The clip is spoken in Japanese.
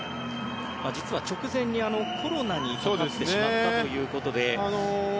実は直前にコロナにかかってしまったということで。